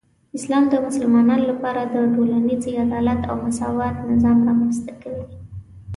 اسلام د مسلمانانو لپاره د ټولنیزې عدالت او مساوات نظام رامنځته کوي.